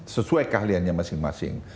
sesuai keahliannya masing masing